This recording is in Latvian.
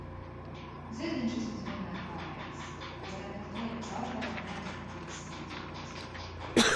Zirdziņš vismaz vienmēr paēdis kas gan par to, ja caurvējā, neatpūties, neatjūgts.